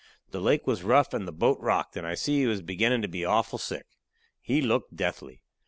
The lake was rough and the boat rocked, and I see he was beginning to be awful sick. He looked deathly.